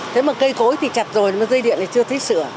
thế mà cây cối thì chặt rồi dây điện này chưa thấy sửa